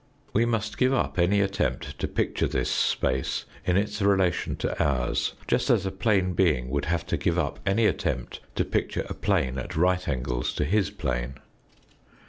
We must give up any attempt to picture this space in its relation to ours, just as a plane being would have to give up any attempt to picture a plane at right angles to his plane.